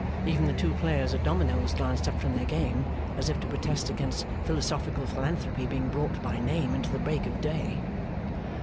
Even the two players at dominoes glanced up from their game, as if to protest against philosophical philanthropy being brought by name into the Break of Day.